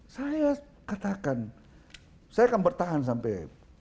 saya katakan saya akan bertahan sampai